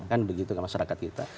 kan begitu ke masyarakat kita